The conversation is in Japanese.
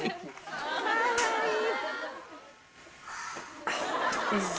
かわいい。